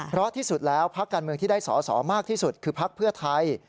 เพราะที่สุดแล้วพักการเมืองที่ได้สอสอมากที่สุดคือพักเพื่อไทย